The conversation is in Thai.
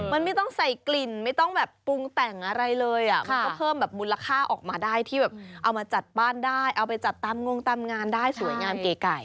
มันไม่ต้องใส่กลิ่นไม่ต้องแบบปรุงแต่งอะไรเลยอ่ะมันก็เพิ่มแบบมูลค่าออกมาได้ที่แบบเอามาจัดบ้านได้เอาไปจัดตามงงตามงานได้สวยงามเก๋ไก่